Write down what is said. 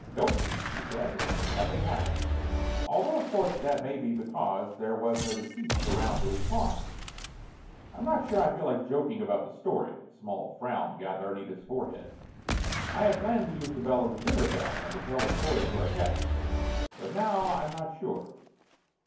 "Nope," he said. "Nothing happened. Although, of course, that may be because there was no deceased around to respond." "I'm not sure I feel like joking about the story." A small frown gathered on Edith's forehead. "I had planned to use the bell as a dinner bell and to tell the story to our guests. But now I'm not sure."